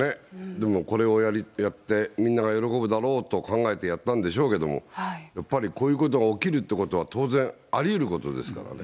でもこれをやって、みんなが喜ぶだろうと考えてやったんでしょうけど、やっぱりこういうことが起きるっていうことは、当然、ありうることですからね。